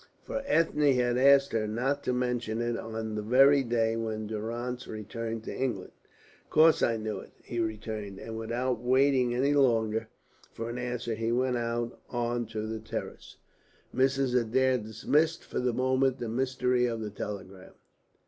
For Ethne had asked her not to mention it on the very day when Durrance returned to England. "Of course I knew of it," he returned, and without waiting any longer for an answer he went out on to the terrace. Mrs. Adair dismissed for the moment the mystery of the telegram.